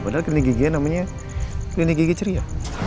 padahal klini giginya namanya klinik gigi ceria